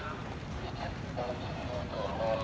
อันที่สุดท้ายก็คือภาษาอันที่สุดท้าย